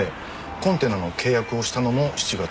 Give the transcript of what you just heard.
コンテナの契約をしたのも７月。